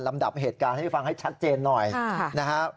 ดับเหตุการณ์ให้ฟังให้ชัดเจนหน่อยนะครับ